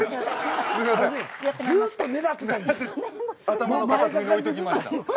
頭の片隅に置いときました。